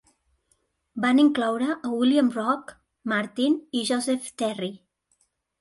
Van incloure a William "Rock" Martin i Joseph Terry.